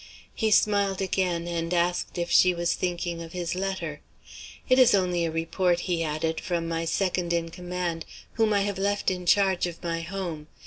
He smiled again; and asked if she was thinking of his letter. "It is only a report," he added, "from my second in command, whom I have left in charge of my Home.